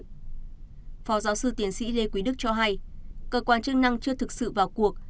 phó giáo sư tiến sĩ lê quý đức cho hay cơ quan chức năng chưa thực sự vào cuộc